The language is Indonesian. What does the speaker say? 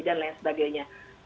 dan lain sebagainya